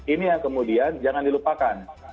ini yang kemudian jangan dilupakan